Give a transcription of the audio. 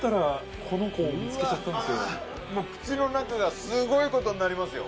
口の中がすごいことになりますよ。